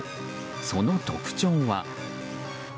その特徴は。